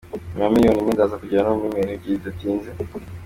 Nyuma ya miliyoni imwe ndaza kugera no kuri miliyoni ebyiri bidatinze”.